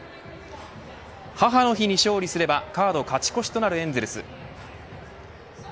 母の日に勝利すればカード勝ち越しとなるエンゼルス。